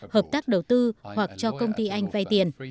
hợp tác đầu tư hoặc cho công ty anh vay tiền